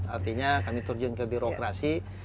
artinya kami terjun ke birokrasi